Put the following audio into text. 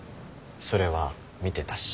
それは見てたし。